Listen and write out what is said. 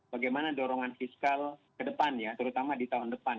bagaimana dorongan fiskal ke depan ya terutama di tahun depan